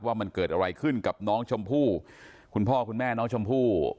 ว่ามันเกิดอะไรขึ้นกับน้องชมพู่คุณพ่อคุณแม่น้องชมพู่